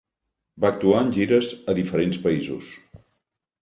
Va actuar en gires a diferents països.